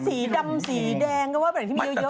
รถสีดำสีแดงก็ว่ามีแพร่ที่มีเยอะ